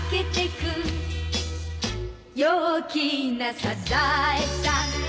「陽気なサザエさん」